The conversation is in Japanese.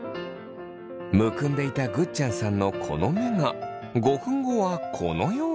むくんでいたぐっちゃんさんのこの目が５分後はこのように。